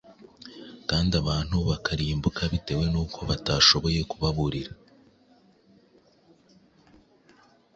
kandi abantu bakarimbuka bitewe n’uko batashoboye kubaburira,